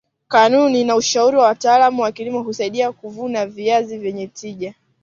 kanuni na ushauri wa wataalam wa kilimo husaidia kuvuna viazi vyenye tija